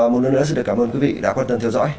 một lần nữa xin cảm ơn quý vị đã quan tâm theo dõi